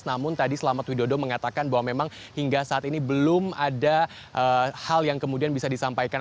namun tadi selamat widodo mengatakan bahwa memang hingga saat ini belum ada hal yang kemudian bisa disampaikan